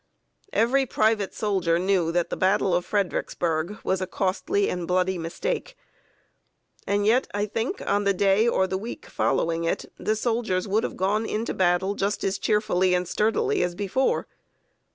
Every private soldier knew that the battle of Fredericksburg was a costly and bloody mistake, and yet I think on the day or the week following it, the soldiers would have gone into battle just as cheerfully and sturdily as before.